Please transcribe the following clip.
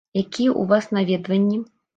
Якія ў вас наведванні?